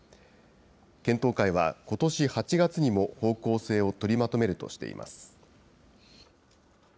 検討会は、ことし７月にも方向性を取りまとめるとしています。